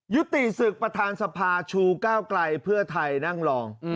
ยุติศึกประธานสภาชูก้าวไกลเพื่อไทยนั่งรอง